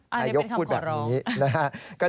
นายกพูดแบบนี้อันนี้เป็นคำขอรอง